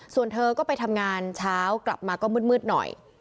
ส่วนเธอก็ไปทำงานเช้ากลับมาก็มืดหน่อย